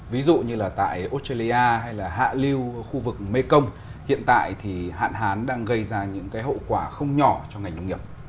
ví dụ như là tại australia hay là hạ lưu khu vực mekong hiện tại thì hạn hán đang gây ra những hậu quả không nhỏ cho ngành nông nghiệp